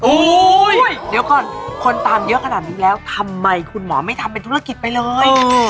เดี๋ยวก่อนคนตามเยอะขนาดนี้แล้วทำไมคุณหมอไม่ทำเป็นธุรกิจไปเลย